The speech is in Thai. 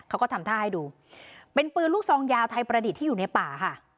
เขาก็ทำท่าให้ดูเป็นปืนลูกซองยาวไทยประดิษฐ์ที่อยู่ในป่าค่ะ